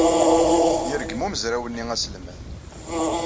Yergem umezraw-nni aselmad.